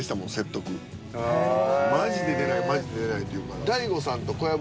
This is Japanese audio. マジで出ないマジで出ないって言うから。